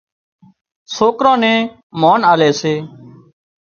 سوڪران نين مانَ آلي سي